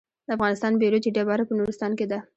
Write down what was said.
د افغانستان بیروج ډبره په نورستان کې ده